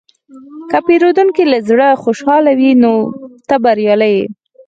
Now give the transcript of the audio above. که پیرودونکی له زړه خوشحاله وي، ته بریالی یې.